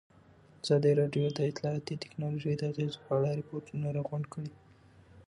ازادي راډیو د اطلاعاتی تکنالوژي د اغېزو په اړه ریپوټونه راغونډ کړي.